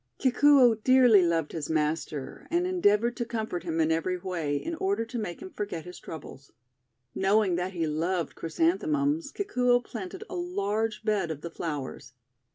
Kikuo dearly loved his master, and endeav oured to comfort him in every way, in order to make him forget his troubles. Knowing that he loved Chrysanthemums, Kikuo planted a large bed of the flowers.